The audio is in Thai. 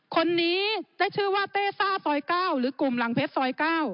คนนี้ได้ชื่อว่าเต้ซ่าซอย๙หรือกลุ่มหลังเพชรซอย๙